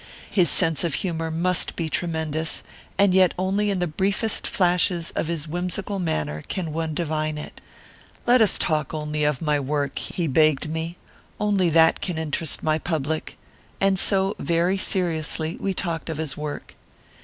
His sense of humour must be tremendous; and yet only in the briefest flashes of his whimsical manner can one divine it. "'Let us talk only of my work,' he begged me. 'Only that can interest my public.' And so, very seriously, we talked of his work.